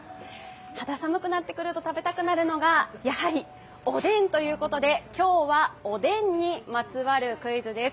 肌寒くなってくると食べたくなるのがやはり、おでんということで今日は、おでんにまつわるクイズです。